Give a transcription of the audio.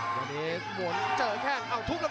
ประโยชน์ทอตอร์จานแสนชัยกับยานิลลาลีนี่ครับ